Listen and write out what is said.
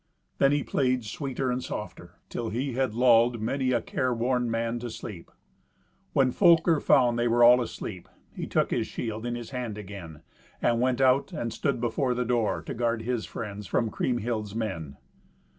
Then he played sweeter and softer, till he had lulled many a careworn man to sleep. When Folker found they were all asleep, he took his shield in his hand again, and went out and stood before the door, to guard his friends from Kriemhild's men.